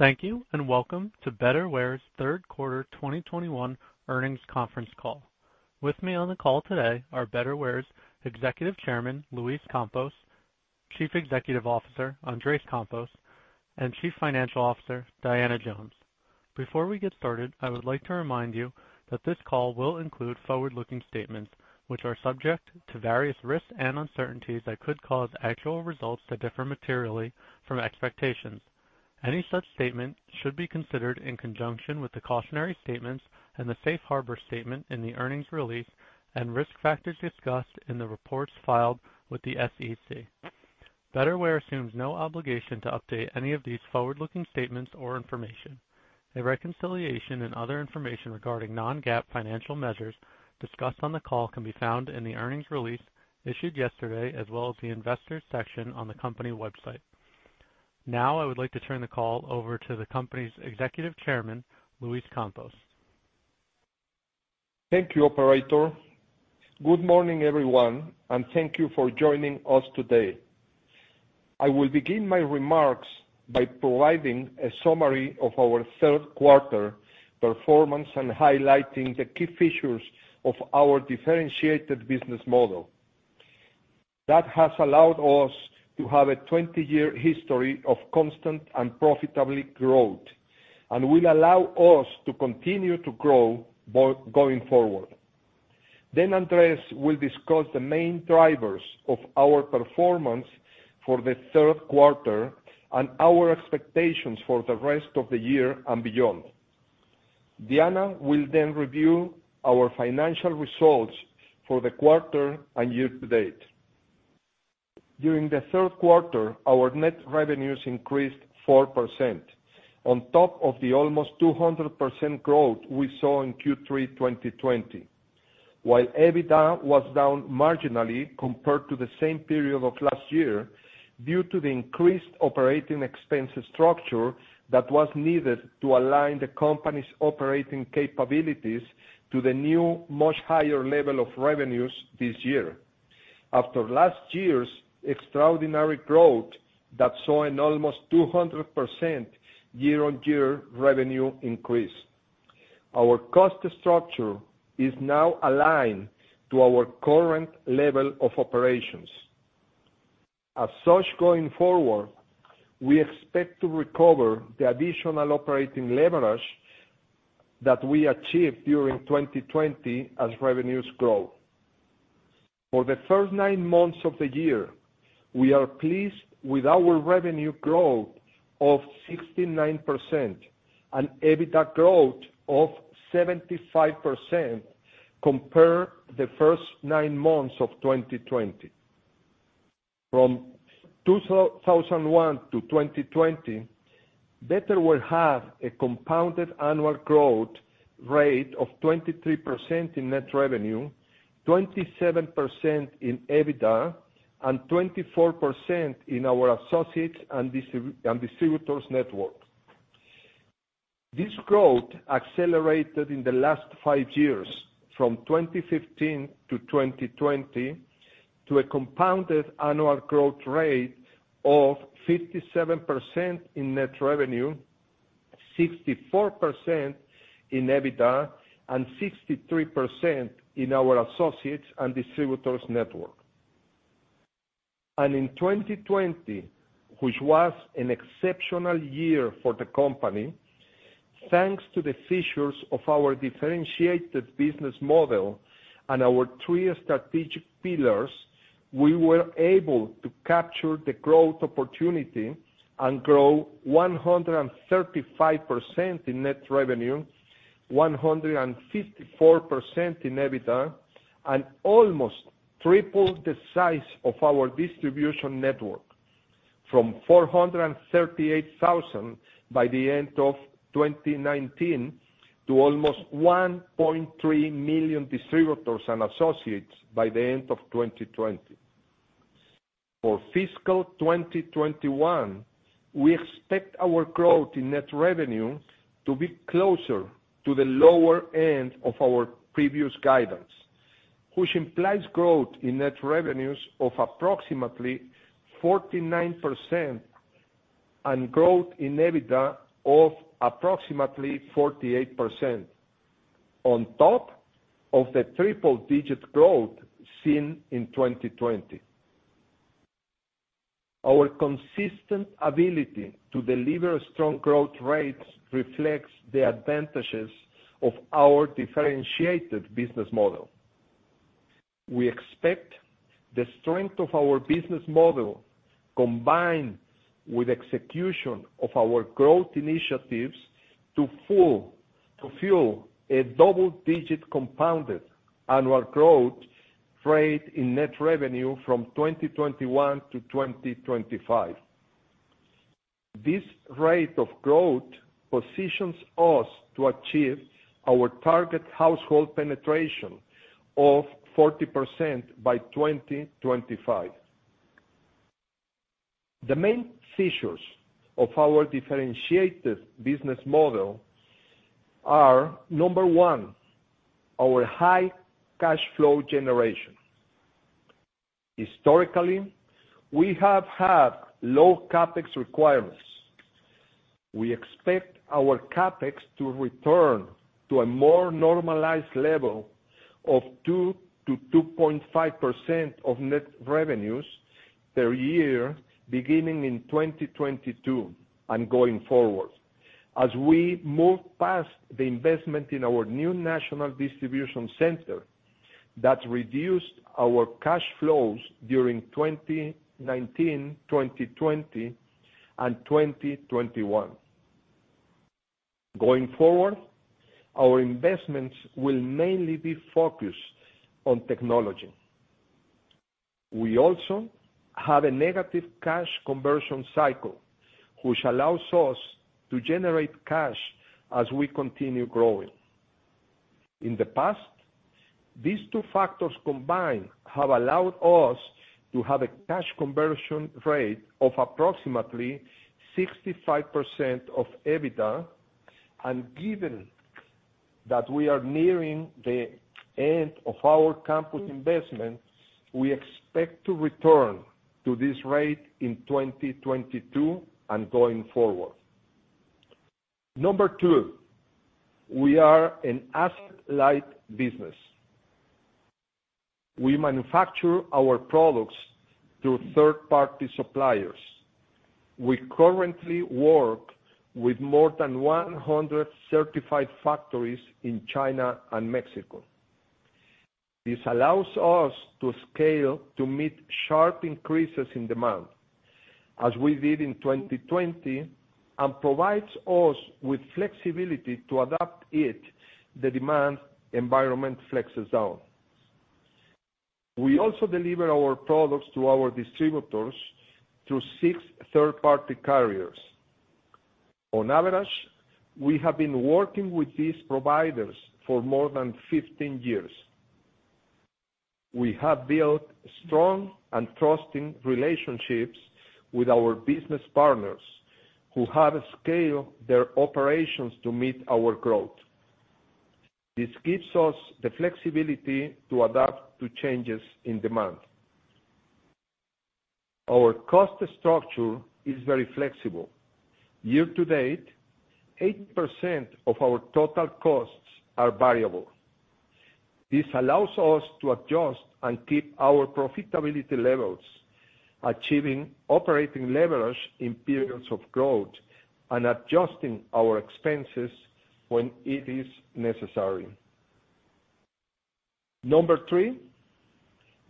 Thank you and welcome to Betterware's third quarter 2021 earnings conference call. With me on the call today are Betterware's Executive Chairman, Luis Campos, Chief Executive Officer, Andrés Campos, and Chief Financial Officer, Diana Jones. Before we get started, I would like to remind you that this call will include forward-looking statements, which are subject to various risks and uncertainties that could cause actual results to differ materially from expectations. Any such statement should be considered in conjunction with the cautionary statements and the safe harbor statement in the earnings release and risk factors discussed in the reports filed with the SEC. Betterware assumes no obligation to update any of these forward-looking statements or information. A reconciliation and other information regarding non-GAAP financial measures discussed on the call can be found in the earnings release issued yesterday, as well as the investors section on the company website. Now, I would like to turn the call over to the company's Executive Chairman, Luis Campos. Thank you, operator. Good morning, everyone, and thank you for joining us today. I will begin my remarks by providing a summary of our third quarter performance and highlighting the key features of our differentiated business model. That has allowed us to have a 20-year history of constant and profitable growth and will allow us to continue to grow going forward. Andrés will discuss the main drivers of our performance for the third quarter and our expectations for the rest of the year and beyond. Diana will then review our financial results for the quarter and year to date. During the third quarter, our net revenues increased 4% on top of the almost 200% growth we saw in Q3 2020. While EBITDA was down marginally compared to the same period of last year due to the increased operating expense structure that was needed to align the company's operating capabilities to the new, much higher level of revenues this year. After last year's extraordinary growth that saw an almost 200% year-on-year revenue increase, our cost structure is now aligned to our current level of operations. As such, going forward, we expect to recover the additional operating leverage that we achieved during 2020 as revenues grow. For the first nine months of the year, we are pleased with our revenue growth of 69% and EBITDA growth of 75% compared to the first nine months of 2020. From 2001-2020, Betterware had a compounded annual growth rate of 23% in net revenue, 27% in EBITDA, and 24% in our associates and distributors network. This growth accelerated in the last five years from 2015-2020 to a compounded annual growth rate of 57% in net revenue, 64% in EBITDA, and 63% in our associates and distributors network. In 2020, which was an exceptional year for the company, thanks to the features of our differentiated business model and our three strategic pillars, we were able to capture the growth opportunity and grow 135% in net revenue, 154% in EBITDA, and almost triple the size of our distribution network from 438,000 by the end of 2019 to almost 1.3 million distributors and associates by the end of 2020. For fiscal 2021, we expect our growth in net revenue to be closer to the lower end of our previous guidance, which implies growth in net revenues of approximately 49% and growth in EBITDA of approximately 48% on top of the triple digit growth seen in 2020. Our consistent ability to deliver strong growth rates reflects the advantages of our differentiated business model. We expect the strength of our business model, combined with execution of our growth initiatives, to fuel a double-digit compounded annual growth rate in net revenue from 2021-2025. This rate of growth positions us to achieve our target household penetration of 40% by 2025. The main features of our differentiated business model are, number one, our high cash flow generation. Historically, we have had low CapEx requirements. We expect our CapEx to return to a more normalized level of 2%-2.5% of net revenues per year beginning in 2022 and going forward as we move past the investment in our new national distribution center that reduced our cash flows during 2019, 2020 and 2021. Going forward, our investments will mainly be focused on technology. We also have a negative cash conversion cycle, which allows us to generate cash as we continue growing. In the past, these two factors combined have allowed us to have a cash conversion rate of approximately 65% of EBITDA. Given that we are nearing the end of our CapEx investment, we expect to return to this rate in 2022 and going forward. Number two, we are an asset-light business. We manufacture our products through third-party suppliers. We currently work with more than 100 certified factories in China and Mexico. This allows us to scale to meet sharp increases in demand, as we did in 2020, and provides us with flexibility to adapt to the demand environment flexes down. We also deliver our products to our distributors through six third-party carriers. On average, we have been working with these providers for more than 15 years. We have built strong and trusting relationships with our business partners who have scaled their operations to meet our growth. This gives us the flexibility to adapt to changes in demand. Our cost structure is very flexible. Year to date, 80% of our total costs are variable. This allows us to adjust and keep our profitability levels, achieving operating leverage in periods of growth and adjusting our expenses when it is necessary. Number three,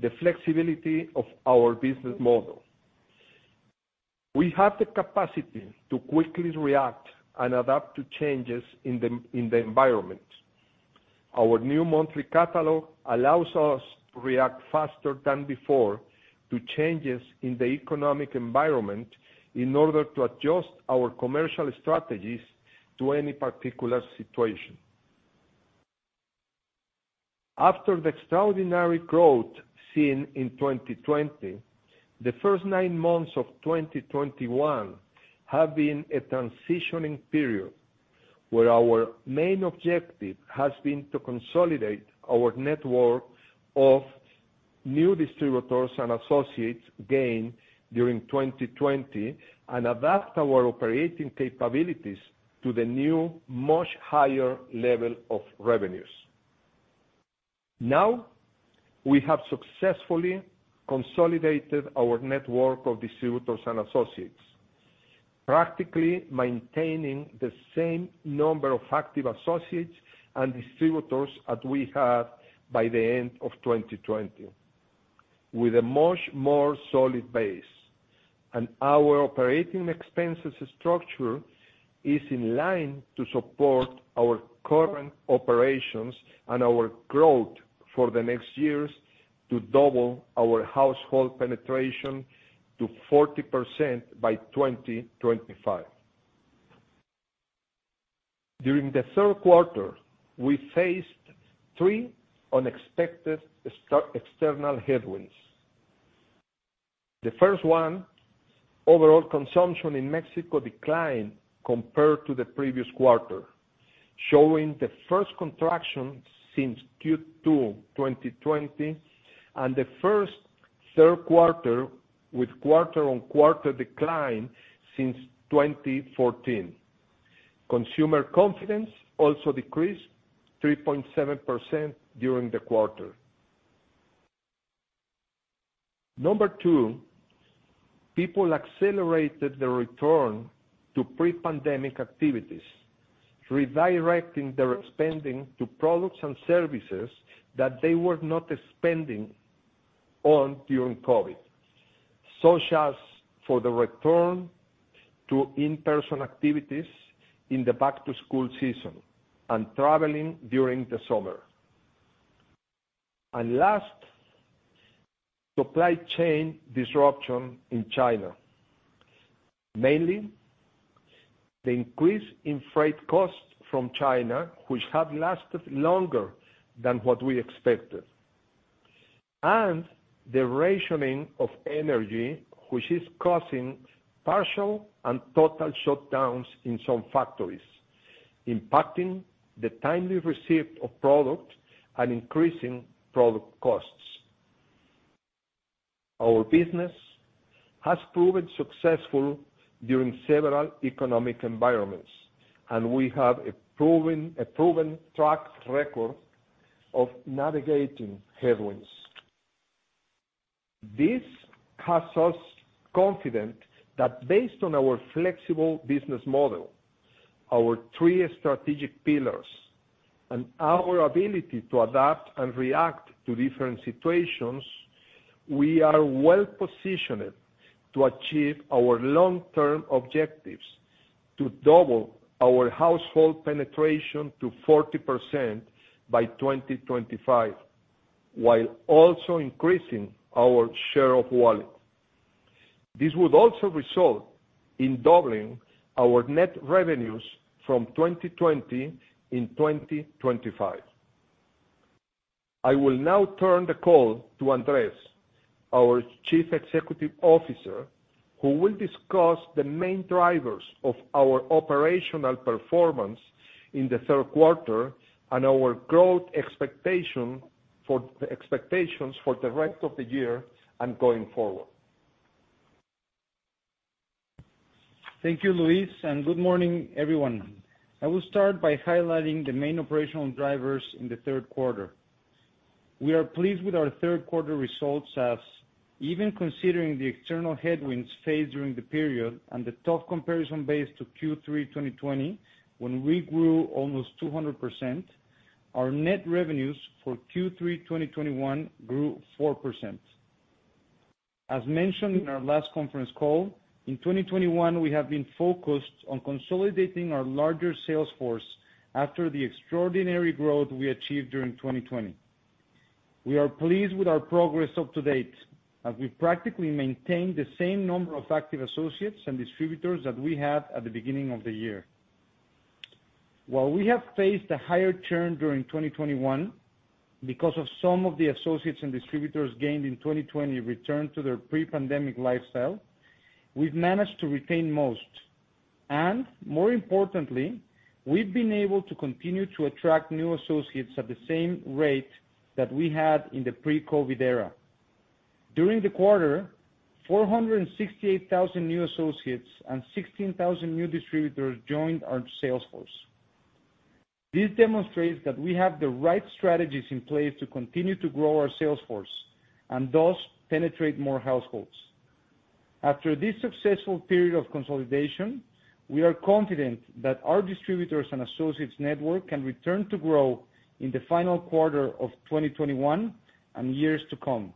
the flexibility of our business model. We have the capacity to quickly react and adapt to changes in the environment. Our new monthly catalog allows us to react faster than before to changes in the economic environment in order to adjust our commercial strategies to any particular situation. After the extraordinary growth seen in 2020, the first nine months of 2021 have been a transitioning period where our main objective has been to consolidate our network of new distributors and associates gained during 2020 and adapt our operating capabilities to the new, much higher level of revenues. Now, we have successfully consolidated our network of distributors and associates, practically maintaining the same number of active associates and distributors as we had by the end of 2020, with a much more solid base. Our operating expenses structure is in line to support our current operations and our growth for the next years to double our household penetration to 40% by 2025. During the third quarter, we faced three unexpected external headwinds. The first one, overall consumption in Mexico declined compared to the previous quarter, showing the first contraction since Q2 2020 and the first third quarter with quarter-on-quarter decline since 2014. Consumer confidence also decreased 3.7% during the quarter. Number two, people accelerated their return to pre-pandemic activities, redirecting their spending to products and services that they were not spending on during COVID, such as for the return to in-person activities in the back-to-school season and traveling during the summer. Last, supply chain disruption in China, mainly the increase in freight costs from China, which have lasted longer than what we expected, and the rationing of energy, which is causing partial and total shutdowns in some factories, impacting the timely receipt of product and increasing product costs. Our business has proven successful during several economic environments, and we have a proven track record of navigating headwinds. This has us confident that based on our flexible business model, our three strategic pillars and our ability to adapt and react to different situations, we are well-positioned to achieve our long-term objectives to double our household penetration to 40% by 2025, while also increasing our share of wallet. This would also result in doubling our net revenues from 2020 in 2025. I will now turn the call to Andrés, our Chief Executive Officer, who will discuss the main drivers of our operational performance in the third quarter and our growth expectations for the rest of the year and going forward. Thank you, Luis, and good morning, everyone. I will start by highlighting the main operational drivers in the third quarter. We are pleased with our third quarter results as even considering the external headwinds faced during the period and the tough comparison base to Q3 2020, when we grew almost 200%, our net revenues for Q3 2021 grew 4%. As mentioned in our last conference call, in 2021, we have been focused on consolidating our larger sales force after the extraordinary growth we achieved during 2020. We are pleased with our progress up to date as we've practically maintained the same number of active associates and distributors that we had at the beginning of the year. While we have faced a higher churn during 2021 because of some of the associates and distributors gained in 2020 returned to their pre-pandemic lifestyle, we've managed to retain most, and more importantly, we've been able to continue to attract new associates at the same rate that we had in the pre-COVID era. During the quarter, 468,000 new associates and 16,000 new distributors joined our sales force. This demonstrates that we have the right strategies in place to continue to grow our sales force and thus penetrate more households. After this successful period of consolidation, we are confident that our distributors and associates network can return to grow in the final quarter of 2021 and years to come.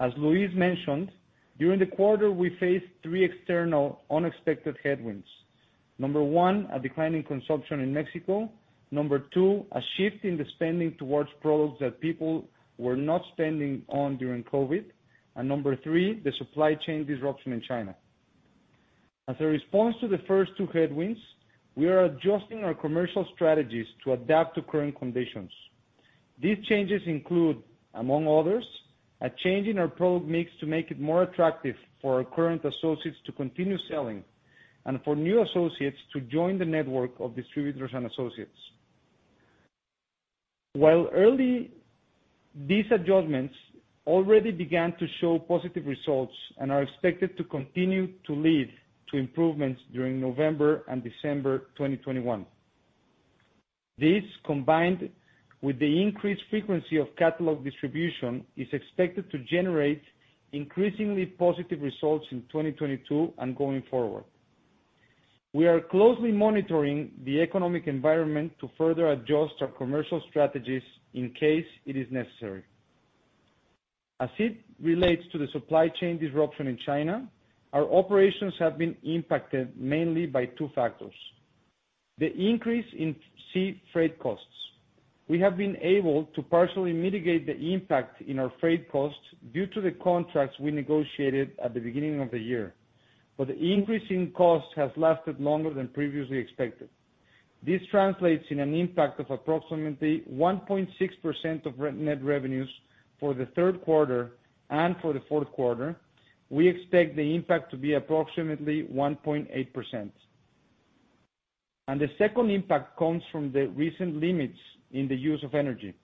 As Luis mentioned, during the quarter, we faced three external unexpected headwinds. Number one, a decline in consumption in Mexico. Number two, a shift in the spending towards products that people were not spending on during COVID. Number three, the supply chain disruption in China. As a response to the first two headwinds, we are adjusting our commercial strategies to adapt to current conditions. These changes include, among others, a change in our product mix to make it more attractive for our current associates to continue selling and for new associates to join the network of distributors and associates. While early, these adjustments already began to show positive results and are expected to continue to lead to improvements during November and December 2021. This, combined with the increased frequency of catalog distribution, is expected to generate increasingly positive results in 2022 and going forward. We are closely monitoring the economic environment to further adjust our commercial strategies in case it is necessary. As it relates to the supply chain disruption in China, our operations have been impacted mainly by two factors, the increase in sea freight costs. We have been able to partially mitigate the impact in our freight costs due to the contracts we negotiated at the beginning of the year, but the increase in cost has lasted longer than previously expected. This translates in an impact of approximately 1.6% of net revenues for the third quarter, and for the fourth quarter, we expect the impact to be approximately 1.8%. The second impact comes from the recent limits in the use of energy.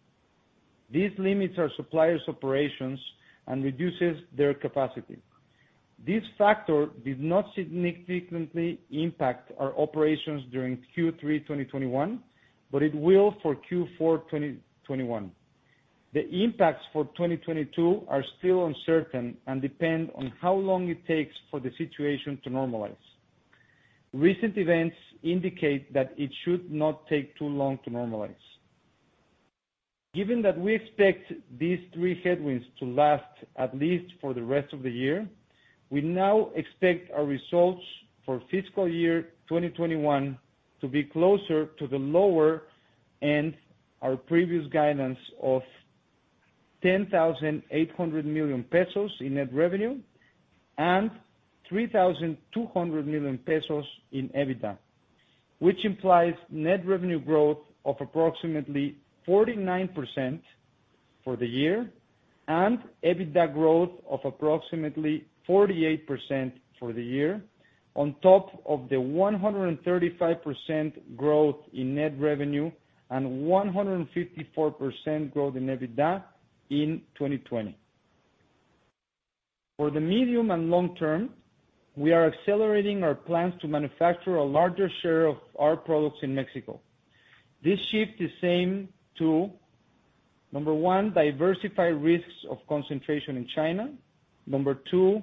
These limits our suppliers' operations and reduces their capacity. This factor did not significantly impact our operations during Q3 2021, but it will for Q4 2021. The impacts for 2022 are still uncertain and depend on how long it takes for the situation to normalize. Recent events indicate that it should not take too long to normalize. Given that we expect these three headwinds to last at least for the rest of the year, we now expect our results for fiscal year 2021 to be closer to the lower end of our previous guidance of 10,800 million pesos in net revenue and 3,200 million pesos in EBITDA, which implies net revenue growth of approximately 49% for the year, and EBITDA growth of approximately 48% for the year, on top of the 135% growth in net revenue and 154% growth in EBITDA in 2020. For the medium and long term, we are accelerating our plans to manufacture a larger share of our products in Mexico. This shift aims to, number one, diversify risks of concentration in China. Number two,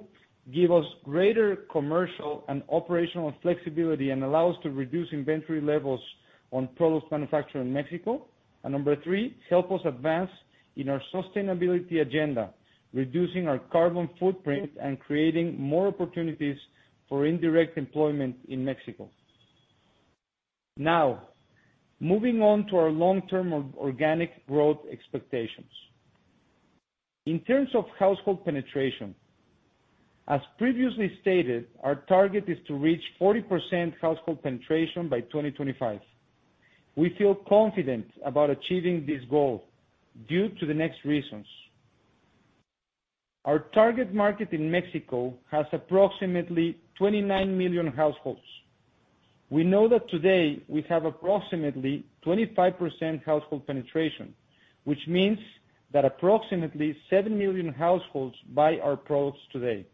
give us greater commercial and operational flexibility and allow us to reduce inventory levels on products manufactured in Mexico. Number three, help us advance in our sustainability agenda, reducing our carbon footprint and creating more opportunities for indirect employment in Mexico. Now, moving on to our long-term organic growth expectations. In terms of household penetration, as previously stated, our target is to reach 40% household penetration by 2025. We feel confident about achieving this goal due to the next reasons. Our target market in Mexico has approximately 29 million households. We know that today we have approximately 25% household penetration, which means that approximately seven million households buy our products today.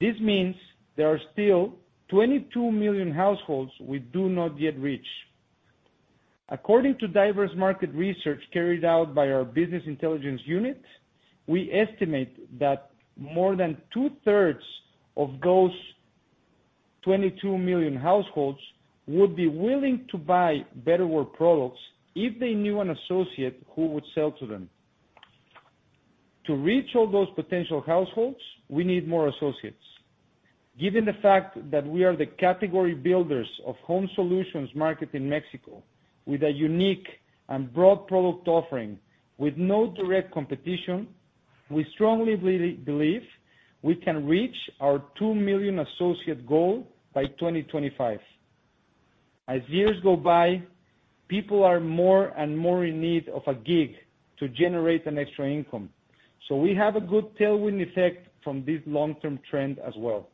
This means there are still 22 million households we do not yet reach. According to diverse market research carried out by our business intelligence unit, we estimate that more than two-thirds of those 22 million households would be willing to buy Betterware products if they knew an associate who would sell to them. To reach all those potential households, we need more associates. Given the fact that we are the category builders of home solutions market in Mexico with a unique and broad product offering with no direct competition, we strongly believe we can reach our two million associate goal by 2025. As years go by, people are more and more in need of a gig to generate an extra income. We have a good tailwind effect from this long-term trend as well.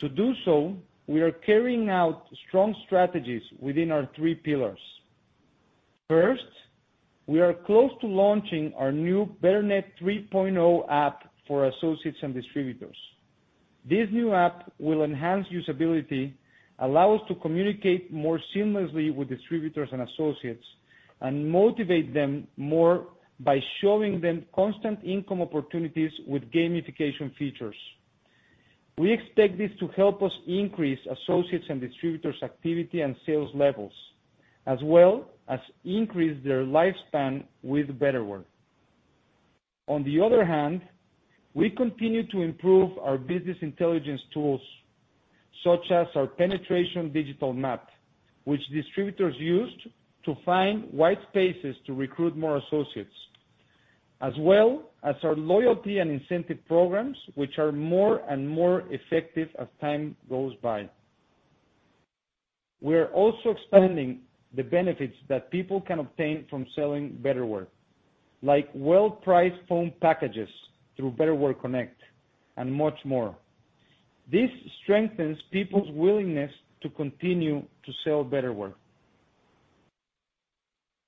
To do so, we are carrying out strong strategies within our three pillars. First, we are close to launching our new Betternet 3.0 app for associates and distributors. This new app will enhance usability, allow us to communicate more seamlessly with distributors and associates, and motivate them more by showing them constant income opportunities with gamification features. We expect this to help us increase associates and distributors activity and sales levels, as well as increase their lifespan with Betterware. On the other hand, we continue to improve our business intelligence tools, such as our penetration digital map, which distributors use to find wide spaces to recruit more associates, as well as our loyalty and incentive programs, which are more and more effective as time goes by. We are also expanding the benefits that people can obtain from selling Betterware, like well-priced phone packages through Betterware Connect and much more. This strengthens people's willingness to continue to sell Betterware.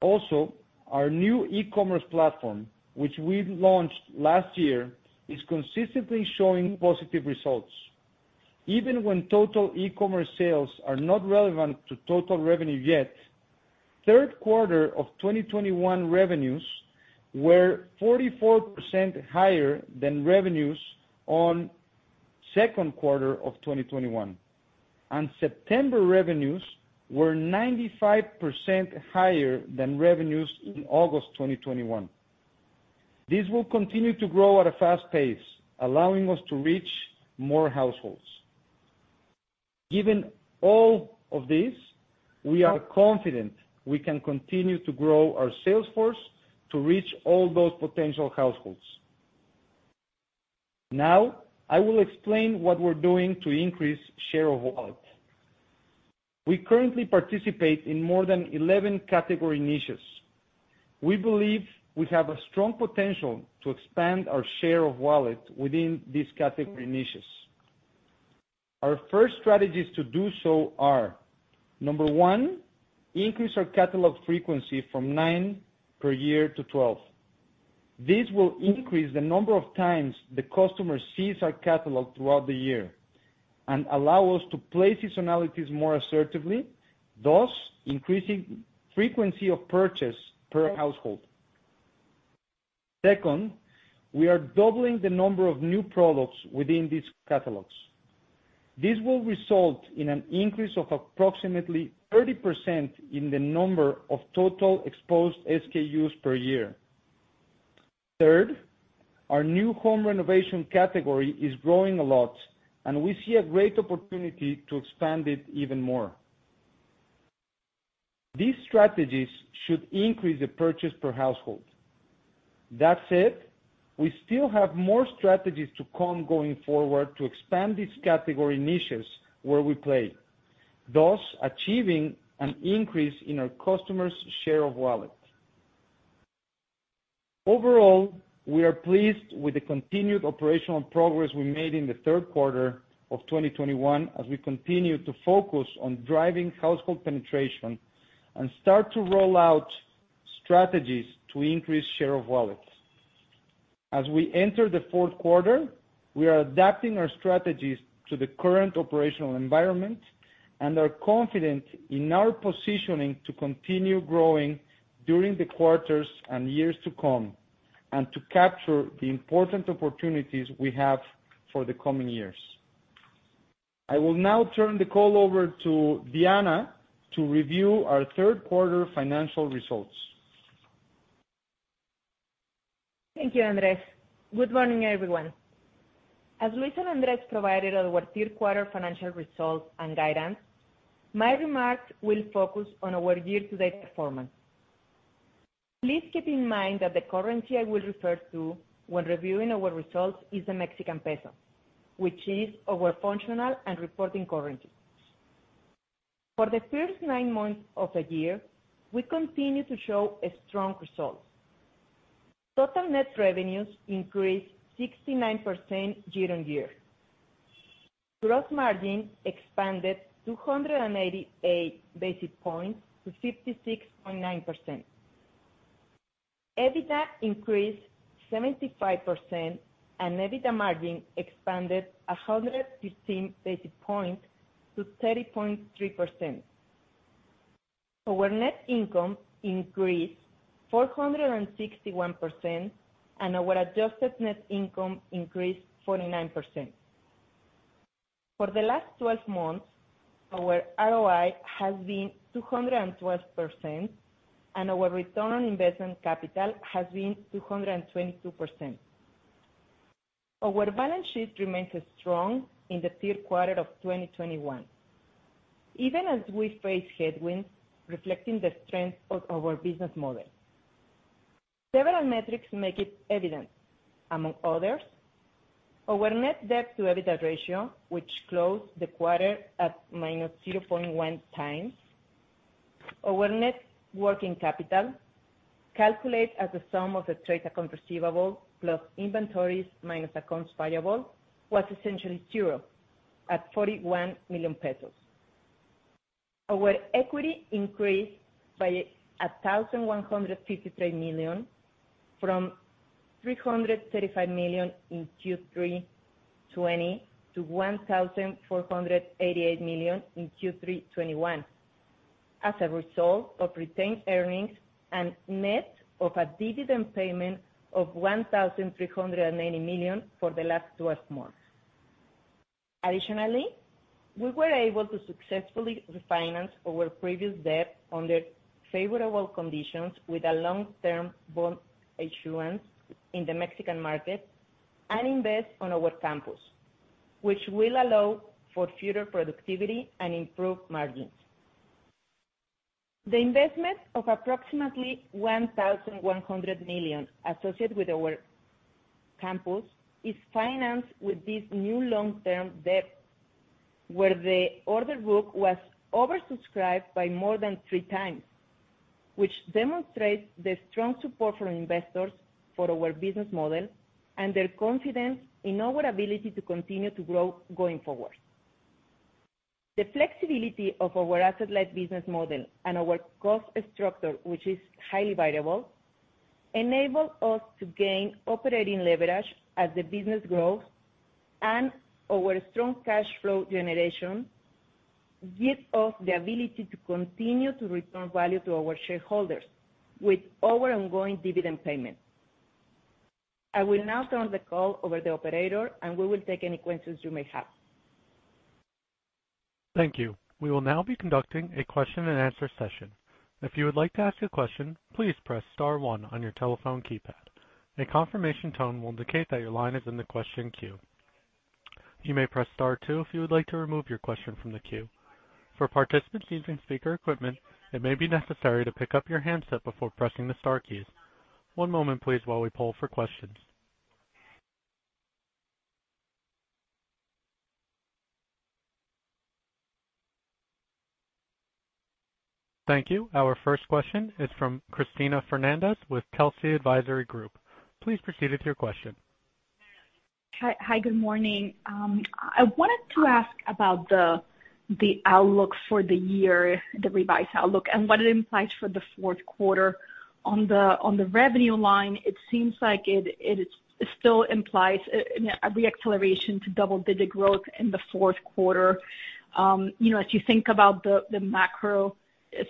Also, our new e-commerce platform, which we launched last year, is consistently showing positive results. Even when total e-commerce sales are not relevant to total revenue yet, third quarter of 2021 revenues were 44% higher than revenues on second quarter of 2021, and September revenues were 95% higher than revenues in August 2021. This will continue to grow at a fast pace, allowing us to reach more households. Given all of this, we are confident we can continue to grow our sales force to reach all those potential households. Now, I will explain what we're doing to increase share of wallet. We currently participate in more than 11 category niches. We believe we have a strong potential to expand our share of wallet within these category niches. Our first strategies to do so are, number one, increase our catalog frequency from 9 per year to 12. This will increase the number of times the customer sees our catalog throughout the year and allow us to place seasonalities more assertively, thus increasing frequency of purchase per household. Second, we are doubling the number of new products within these catalogs. This will result in an increase of approximately 30% in the number of total exposed SKUs per year. Third, our new home renovation category is growing a lot, and we see a great opportunity to expand it even more. These strategies should increase the purchase per household. That said, we still have more strategies to come going forward to expand these category niches where we play, thus achieving an increase in our customers' share of wallet. Overall, we are pleased with the continued operational progress we made in the third quarter of 2021 as we continue to focus on driving household penetration and start to roll out strategies to increase share of wallet. As we enter the fourth quarter, we are adapting our strategies to the current operational environment and are confident in our positioning to continue growing during the quarters and years to come, and to capture the important opportunities we have for the coming years. I will now turn the call over to Diana to review our third quarter financial results. Thank you, Andrés. Good morning, everyone. As Luis and Andrés provided our third quarter financial results and guidance, my remarks will focus on our year-to-date performance. Please keep in mind that the currency I will refer to when reviewing our results is the Mexican peso, which is our functional and reporting currency. For the first nine months of the year, we continue to show a strong result. Total net revenues increased 69% year-on-year. Gross margin expanded 288 basis points to 56.9%. EBITDA increased 75%, and EBITDA margin expanded 115 basis points to 30.3%. Our net income increased 461%, and our adjusted net income increased 49%. For the last 12 months, our ROI has been 212%, and our return on invested capital has been 222%. Our balance sheet remains strong in Q3 2021, even as we face headwinds reflecting the strength of our business model. Several metrics make it evident, among others, our net debt to EBITDA ratio, which closed the quarter at -0.1x. Our net working capital, calculated as a sum of the trade accounts receivable plus inventories minus accounts payable, was essentially zero at 41 million pesos. Our equity increased by 1,153 million from 335 million in Q3 2020 to 1,488 million in Q3 2021 as a result of retained earnings and net of a dividend payment of 1,390 million for the last 12 months. Additionally, we were able to successfully refinance our previous debt under favorable conditions with a long-term bond issuance in the Mexican market and invest on our campus, which will allow for future productivity and improve margins. The investment of approximately 1,100 million associated with our campus is financed with this new long-term debt, where the order book was oversubscribed by more than 3x, which demonstrates the strong support from investors for our business model and their confidence in our ability to continue to grow going forward. The flexibility of our asset-light business model and our cost structure, which is highly variable, enable us to gain operating leverage as the business grows, and our strong cash flow generation gives us the ability to continue to return value to our shareholders with our ongoing dividend payment. I will now turn the call over to the operator, and we will take any questions you may have. Thank you. We will now be conducting a question and answer session. If you would like to ask a question, please press star one on your telephone keypad. A confirmation tone will indicate that your line is in the question queue. You may press star two if you would like to remove your question from the queue. For participants using speaker equipment, it may be necessary to pick up your handset before pressing the star keys. One moment, please, while we poll for questions. Thank you. Our first question is from Cristina Fernández with Telsey Advisory Group. Please proceed with your question. Hi. Good morning. I wanted to ask about the outlook for the year, the revised outlook, and what it implies for the fourth quarter. On the revenue line, it seems like it still implies a re-acceleration to double-digit growth in the fourth quarter. You know, as you think about the macro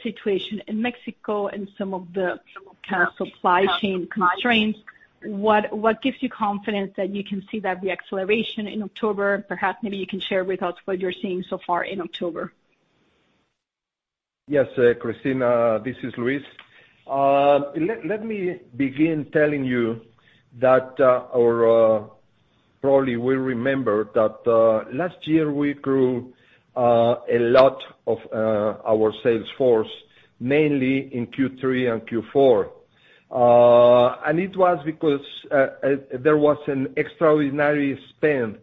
situation in Mexico and some of the kind of supply chain constraints, what gives you confidence that you can see that re-acceleration in October? Perhaps maybe you can share with us what you're seeing so far in October. Yes, Cristina, this is Luis. Let me begin telling you that, our- Probably will remember that last year we grew a lot of our sales force, mainly in Q3 and Q4. It was because there was an extraordinary spend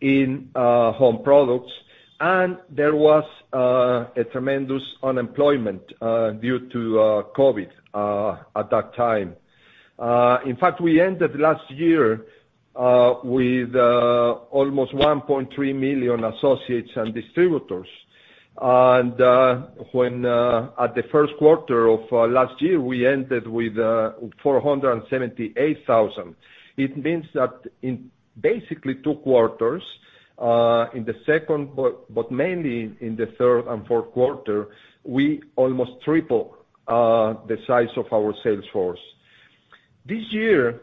in home products, and there was a tremendous unemployment due to COVID at that time. In fact, we ended last year with almost 1.3 million associates and distributors. At the first quarter of last year, we ended with 478,000. It means that in basically two quarters, in the second, but mainly in the third and fourth quarter, we almost tripled the size of our sales force. This year,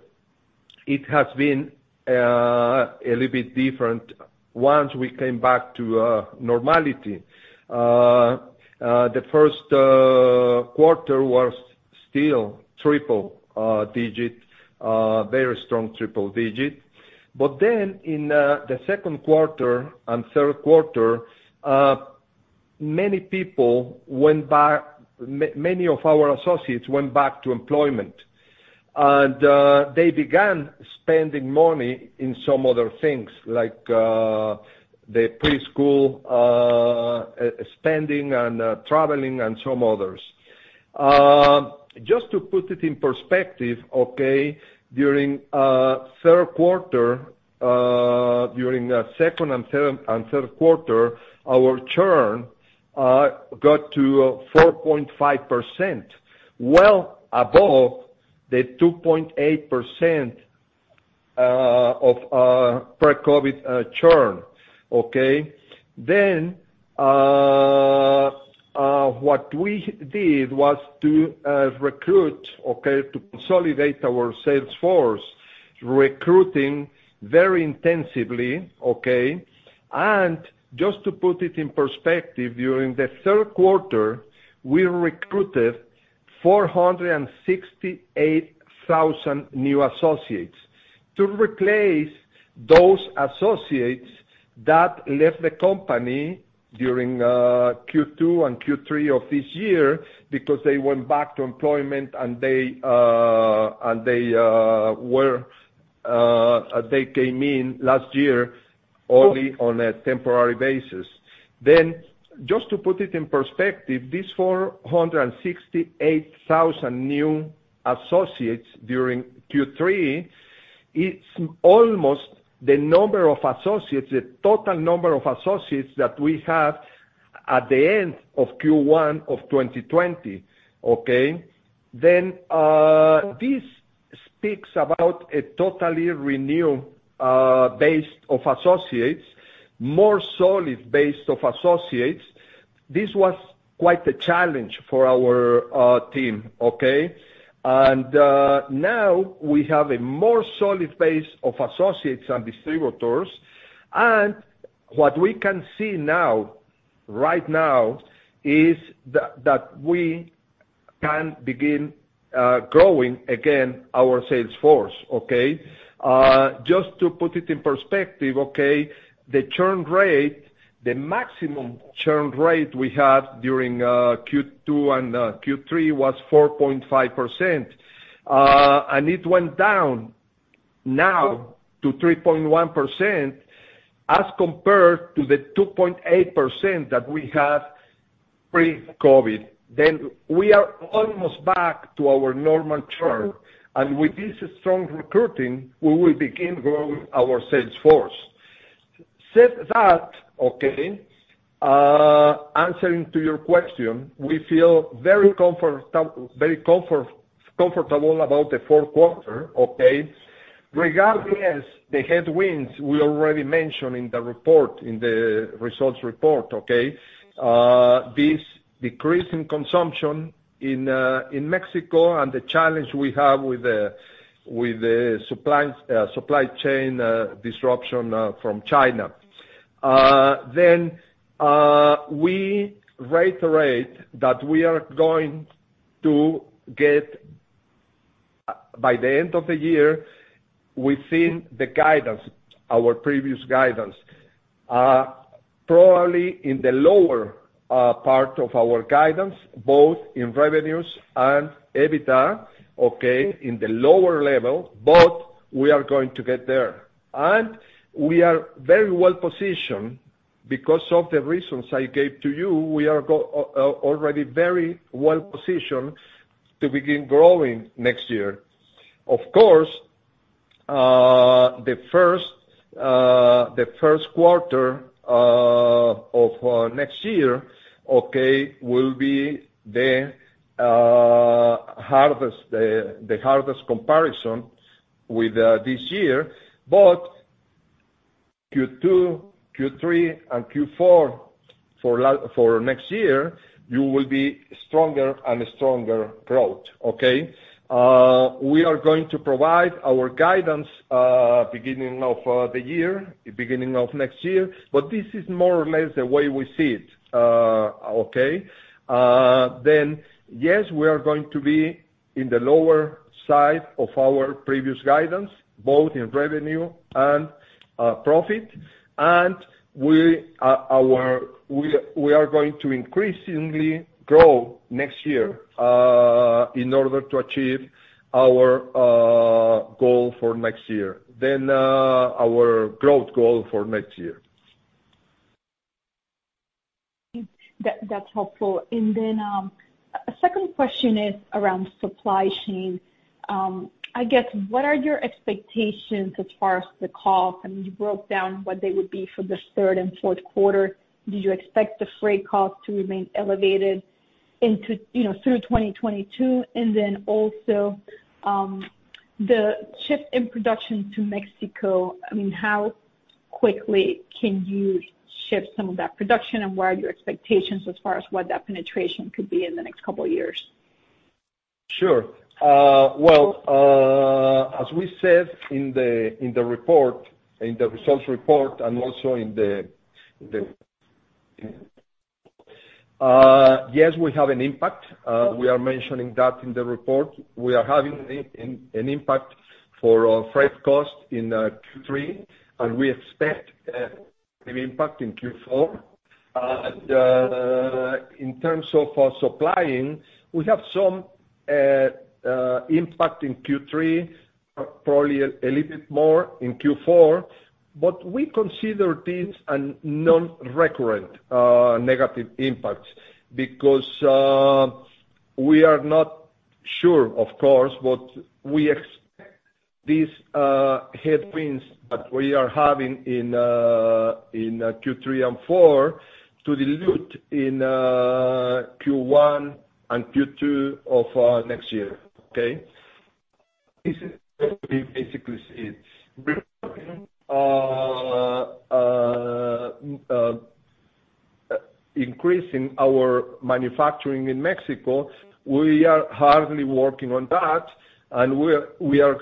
it has been a little bit different once we came back to normality. The first quarter was still triple-digit, very strong triple-digit. In the second quarter and third quarter, many of our associates went back to employment, and they began spending money in some other things like the preschool spending and traveling and some others. Just to put it in perspective, okay, during the second and third quarter, our churn got to 4.5%, well above the 2.8% of pre-COVID churn, okay? What we did was to recruit, okay, to consolidate our sales force, recruiting very intensively, okay? Just to put it in perspective, during the third quarter, we recruited 468,000 new associates to replace those associates that left the company during Q2 and Q3 of this year because they went back to employment and they came in last year only on a temporary basis. Just to put it in perspective, these 468,000 new associates during Q3, it's almost the number of associates, the total number of associates that we had at the end of Q1 of 2020, okay? This speaks about a totally renewed base of associates, more solid base of associates. This was quite a challenge for our team, okay? Now we have a more solid base of associates and distributors. What we can see now, right now, is that we can begin growing again our sales force, okay? Just to put it in perspective, okay, the churn rate, the maximum churn rate we had during Q2 and Q3 was 4.5%. It went down now to 3.1% as compared to the 2.8% that we had pre-COVID. We are almost back to our normal churn. With this strong recruiting, we will begin growing our sales force. That said, okay, answering to your question, we feel very comfortable about the fourth quarter, okay? Regardless the headwinds we already mentioned in the report, in the results report, okay? This decrease in consumption in Mexico and the challenge we have with the supply chain disruption from China. We reiterate that we are going to get by the end of the year within the guidance, our previous guidance, probably in the lower part of our guidance, both in revenues and EBITDA, okay? In the lower level, but we are going to get there. We are very well-positioned because of the reasons I gave to you, we are already very well-positioned to begin growing next year. Of course, the first quarter of next year, okay, will be the hardest comparison with this year. Q2, Q3, and Q4 for next year, you'll see stronger and stronger growth, okay? We are going to provide our guidance beginning of the year, beginning of next year, but this is more or less the way we see it, okay? Yes, we are going to be in the lower side of our previous guidance, both in revenue and profit. We are going to increasingly grow next year in order to achieve our goal for next year. Our growth goal for next year. That's helpful. A second question is around supply chain. I guess what are your expectations as far as the cost? I mean, you broke down what they would be for the third and fourth quarter. Do you expect the freight cost to remain elevated through 2022? The shift in production to Mexico, I mean, how quickly can you shift some of that production and what are your expectations as far as what that penetration could be in the next couple years? Sure. Well, as we said in the report, in the results report and also in the report. Yes, we have an impact. We are mentioning that in the report. We are having an impact for our freight costs in Q3 and we expect the impact in Q4. In terms of our supply chain, we have some impact in Q3, probably a little bit more in Q4. We consider this a non-recurring negative impact because we are not sure, of course, but we expect these headwinds that we are having in Q3 and Q4 to dilute in Q1 and Q2 of next year. Okay? Increasing our manufacturing in Mexico, we are working hard on that and we are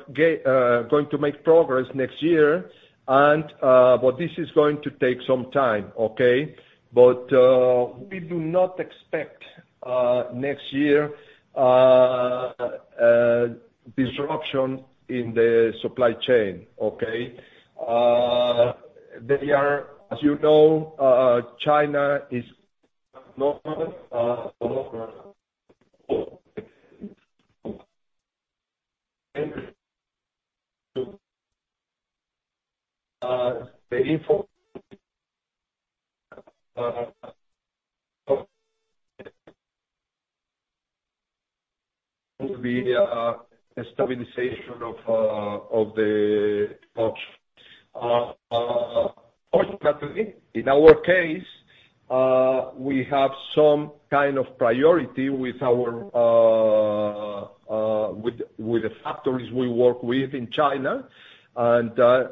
going to make progress next year, but this is going to take some time. Okay? We do not expect next year disruption in the supply chain. Okay? As you know, in China, the inflation would be a stabilization of the costs. Fortunately, in our case, we have some kind of priority with the factories we work with in China.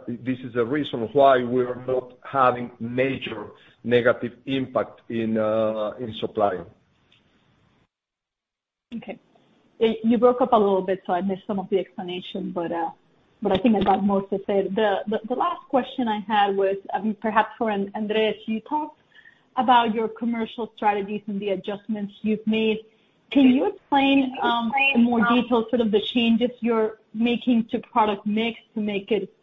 This is the reason why we are not having major negative impact in supply. Okay. You broke up a little bit, so I missed some of the explanation, but I think I got most of it. The last question I had was perhaps for Andrés. You talked about your commercial strategies and the adjustments you've made. Can you explain in more detail sort of the changes you're making to product mix to make it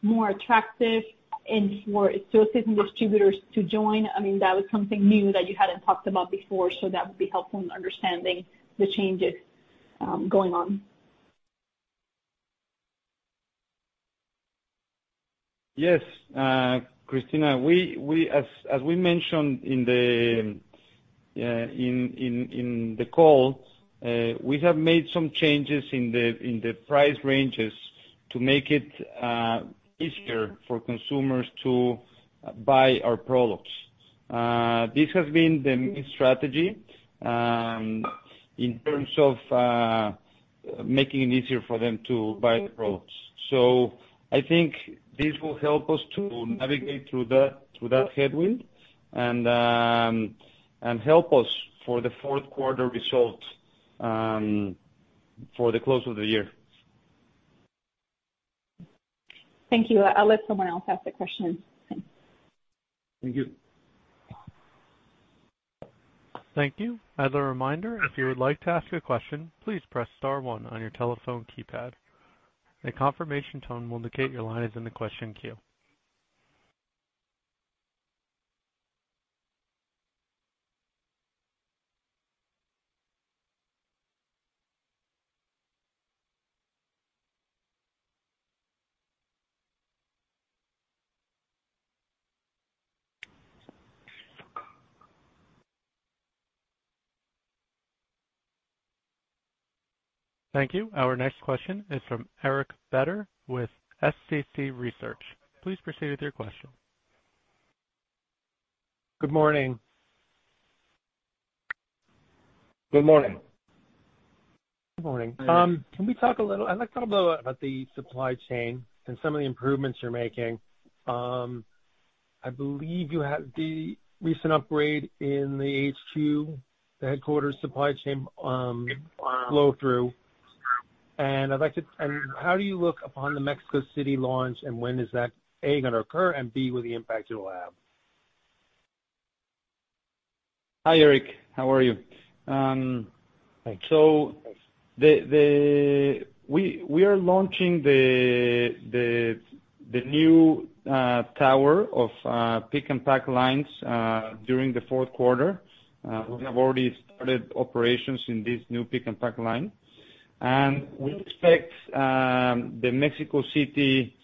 more attractive and for associates and distributors to join? I mean, that was something new that you hadn't talked about before, so that would be helpful in understanding the changes going on. Yes. Cristina, as we mentioned in the call, we have made some changes in the price ranges to make it easier for consumers to buy our products. This has been the main strategy in terms of making it easier for them to buy the products. I think this will help us to navigate through that headwind and help us for the fourth quarter results, for the close of the year. Thank you. I'll let someone else ask the question. Thanks. Thank you. Thank you. As a reminder, if you would like to ask a question, please press star one on your telephone keypad. A confirmation tone will indicate your line is in the question queue. Thank you. Our next question is from Eric Beder with SCC Research. Please proceed with your question. Good morning. Good morning. Good morning. Can we talk a little. I'd like to talk a little about the supply chain and some of the improvements you're making. I believe you have the recent upgrade in the HQ, the headquarters supply chain, flow through. How do you look upon the Mexico City launch, and when is that, A, gonna occur, and B, with the impact it'll have? Hi, Eric. How are you? Thanks. We are launching the The new tower of pick and pack lines during the fourth quarter we have already started operations in this new pick and pack line. We expect the Mexico City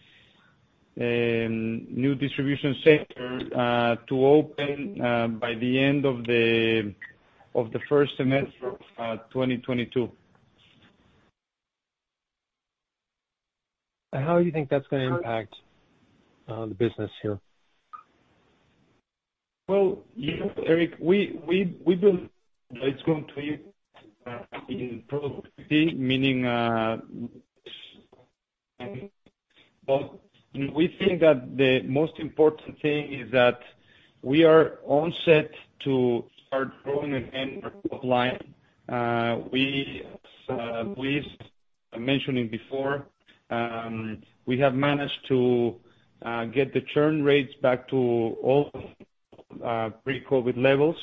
new distribution center to open by the end of the first semester of 2022. How you think that's gonna impact the business here? Well, you know, Eric, we believe it's going to increase in productivity, meaning we think that the most important thing is that we are set to start growing and enter line. I mentioned it before, we have managed to get the churn rates back to all pre-COVID levels.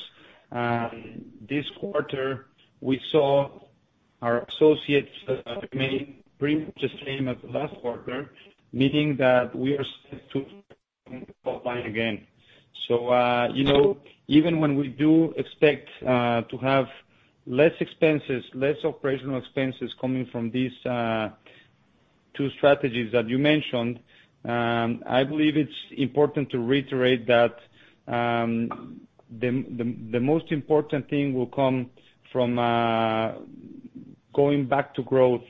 This quarter, we saw our associates remain pretty much the same as the last quarter, meaning that we are set to again. You know, even when we do expect to have less expenses, less operational expenses coming from these two strategies that you mentioned, I believe it's important to reiterate that the most important thing will come from going back to growth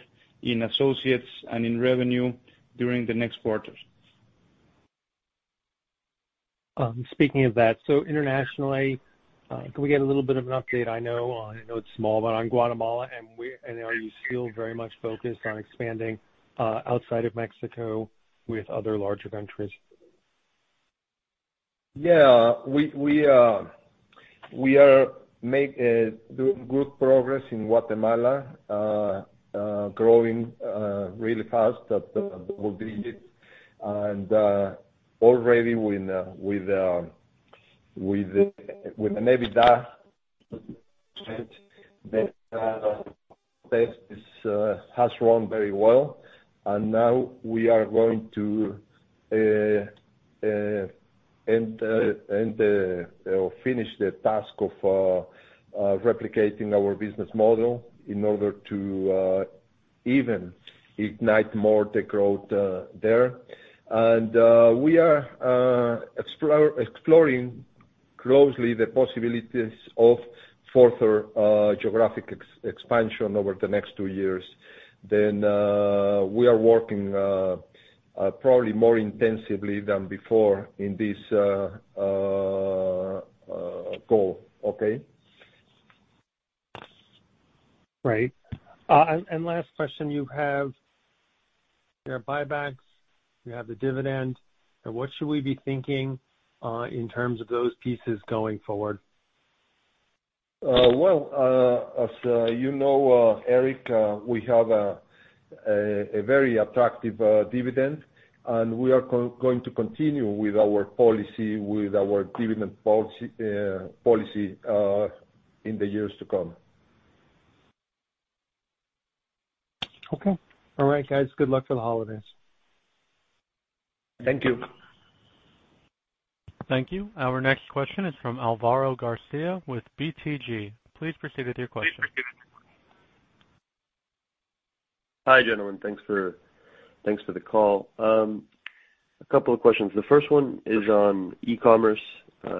in associates and in revenue during the next quarters. Speaking of that, internationally, can we get a little bit of an update? I know it's small, but on Guatemala and are you still very much focused on expanding outside of Mexico with other larger countries? Yeah. We are making good progress in Guatemala, growing really fast at double digits. Already with the EBITDA has run very well. Now we are going to finish the task of replicating our business model in order to even ignite more the growth there. We are exploring closely the possibilities of further geographic expansion over the next two years. We are working probably more intensively than before in this goal. Okay? Right. And last question, you have your buybacks, you have the dividend. Now what should we be thinking, in terms of those pieces going forward? Well, as you know, Eric, we have a very attractive dividend, and we are going to continue with our policy, with our dividend policy, in the years to come. Okay. All right, guys. Good luck for the holidays. Thank you. Thank you. Our next question is from Alvaro Garcia with BTG. Please proceed with your question. Please proceed with your question. Hi, gentlemen. Thanks for the call. A couple of questions. The first one is on e-commerce.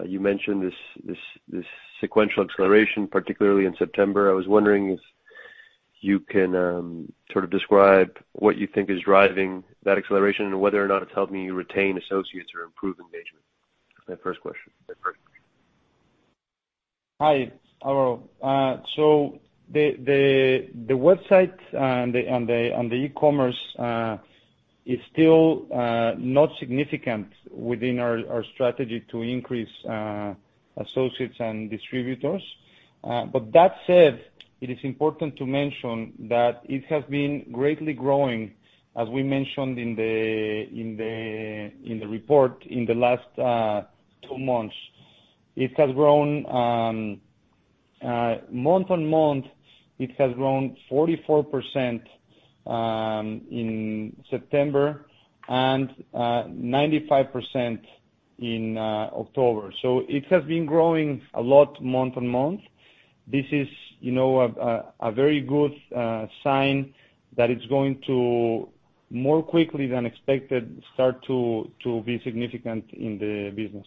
You mentioned this sequential acceleration, particularly in September. I was wondering if you can sort of describe what you think is driving that acceleration and whether or not it's helping you retain associates or improve engagement. That's my first question. Hi, Alvaro. So the website and the e-commerce is still not significant within our strategy to increase associates and distributors. That said, it is important to mention that it has been greatly growing, as we mentioned in the report in the last two months. It has grown month-on-month, it has grown 44% in September and 95% in October. It has been growing a lot month-on-month. This is a very good sign that it's going to more quickly than expected start to be significant in the business.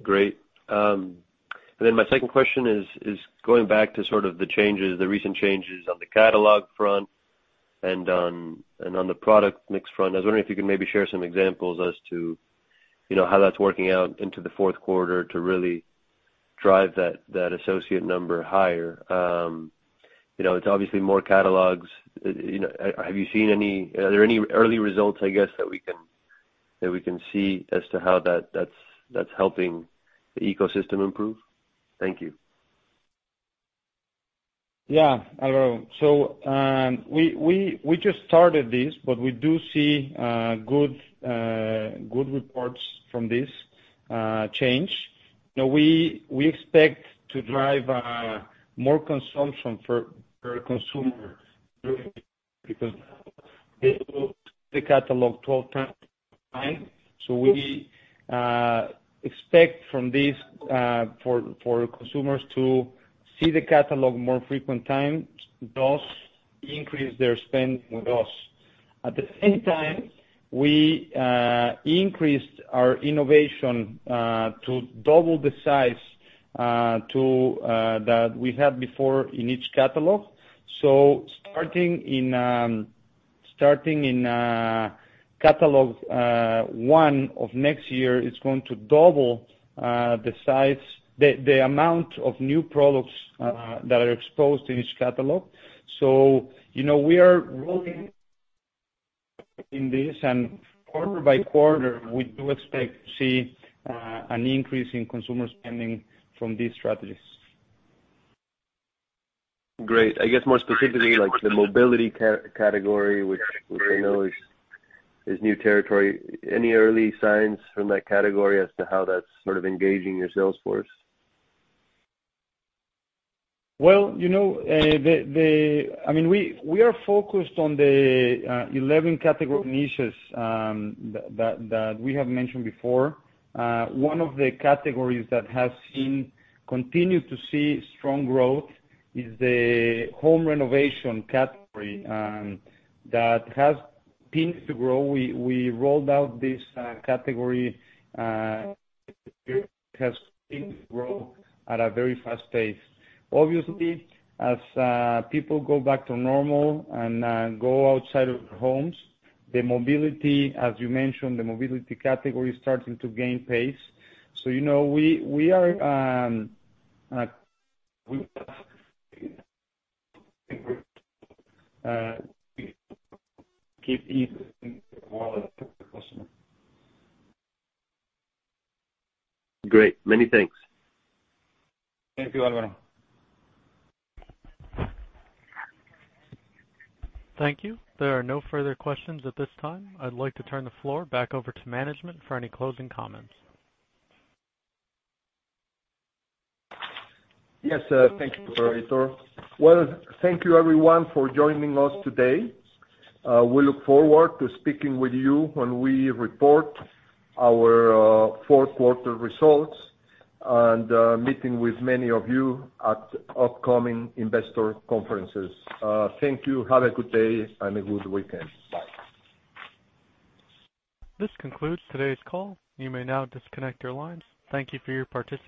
Great. My second question is going back to sort of the changes, the recent changes on the catalog front and on the product mix front. I was wondering if you could maybe share some examples as to, you know, how that's working out into the fourth quarter to really drive that associate number higher. You know, it's obviously more catalogs. You know, are there any early results, I guess, that we can see as to how that's helping the ecosystem improve? Thank you. Yeah, Alvaro. We just started this, but we do see good reports from this change. Now, we expect to drive more consumption for consumers because they will see the catalog 12x. We expect from this, for consumers to see the catalog more frequently, thus increase their spend with us. At the same time, we increased our innovation to double the size that we had before in each catalog. Starting in catalog one of next year, it is going to double the size, the amount of new products that are exposed in each catalog. You know, we are rolling in this, and quarter by quarter, we do expect to see an increase in consumer spending from these strategies. Great. I guess more specifically, like the mobility category, which I know is new territory. Any early signs from that category as to how that's sort of engaging your sales force? Well, you know, I mean, we are focused on the 11 category niches that we have mentioned before. One of the categories that continue to see strong growth is the home renovation category that has continued to grow. We rolled out this category that has continued to grow at a very fast pace. Obviously, as people go back to normal and go outside of their homes, the mobility, as you mentioned, category is starting to gain pace. You know, we are keep Great. Many thanks. Thank you, Alvaro. Thank you. There are no further questions at this time. I'd like to turn the floor back over to management for any closing comments. Yes, thank you for it. Well, thank you everyone for joining us today. We look forward to speaking with you when we report our fourth quarter results and meeting with many of you at upcoming investor conferences. Thank you. Have a good day and a good weekend. Bye This concludes today's call. You may now disconnect your lines. Thank you for your participation.